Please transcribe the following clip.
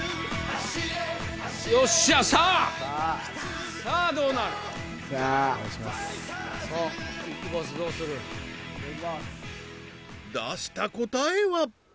よっしゃさぁ出した答えは？